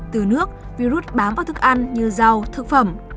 từ nước virus bám vào thức ăn như rau thực phẩm